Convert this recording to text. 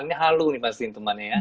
ini halu nih pastiin temennya ya